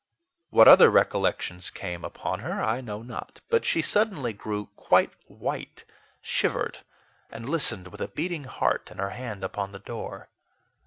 What other recollections came upon her I know not; but she suddenly grew quite white, shivered, and listened with a beating heart, and her hand upon the door.